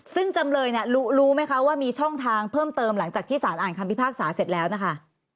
ซึ่งจำเลยเนี่ยรู้ไหมคะว่ามีช่องทางเพิ่มเติมหลังจากที่สารอ่านคำพิพากษาเสร็จแล้วนะคะ